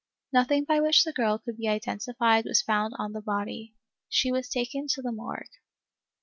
Nothing by which the girl could be identified was found on the body. She was taken to the morgue."